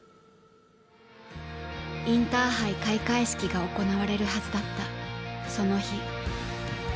インターハイ開会式が行われるはずだったその日。